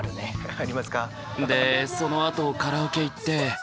でそのあとカラオケ行って。